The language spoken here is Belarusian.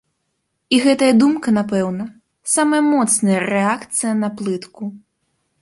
І гэтая думка, напэўна, самая моцная рэакцыя на плытку.